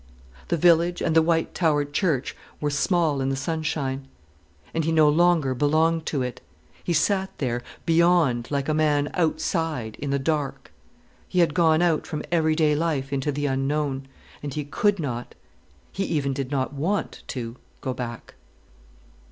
The village and the white towered church was small in the sunshine. And he no longer belonged to it—he sat there, beyond, like a man outside in the dark. He had gone out from everyday life into the unknown, and he could not, he even did not want to go back.